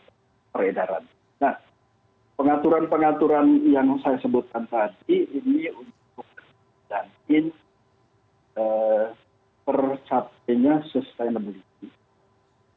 nah pengaturan pengaturan yang saya sebutkan tadi ini untuk menjamin tercapainya sustainability